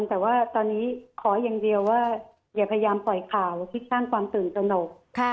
แต่ว่าตอนนี้ขออย่างเดียวว่าอย่าพยายามปล่อยข่าวที่สร้างความตื่นตนก